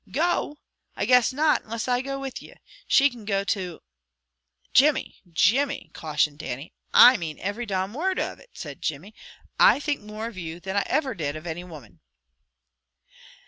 Go! I guess not, unless I go with you! She can go to " "Jimmy! Jimmy!" cautioned Dannie. "I mane ivery domn word of it," said Jimmy. "I think more of you, than I iver did of any woman."